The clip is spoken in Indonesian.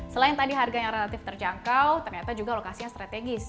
selain tadi harga yang relatif terjangkau ternyata juga lokasinya strategis